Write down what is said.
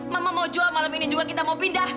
mama mau jual malam ini juga kita mau pindah